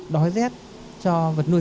đói rết cho vật nuôi